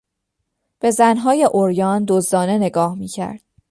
به زنهای عریان دزدانه نگاه میکرد.